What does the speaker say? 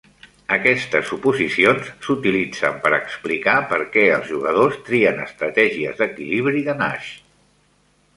Aquestes suposicions s'utilitzen per explicar per què els jugadors trien estratègies d'equilibri de Nash.